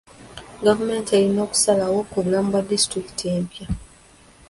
Gavumenti erina okusalawo ku bulamu bwa disitulikiti empya.